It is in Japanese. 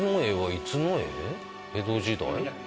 江戸時代？